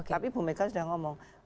tapi ibu meka sudah ngomong